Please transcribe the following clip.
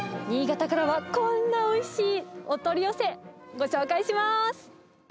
新潟からはこんなおいしいお取り寄せ、ご紹介します。